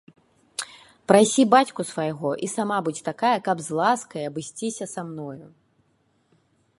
Прасi бацьку свайго i сама будзь такая, каб з ласкай абысцiся са мною.